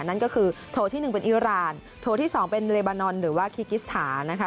นั่นก็คือโถที่๑เป็นอิราณโถที่๒เป็นเลบานอนหรือว่าคีกิสถานนะคะ